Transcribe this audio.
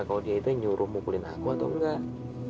kalo dia itu nyuruh mukulin aku atau enggak